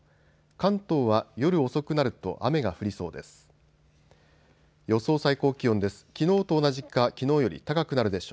関東は夜遅くなると雨が降りそうです。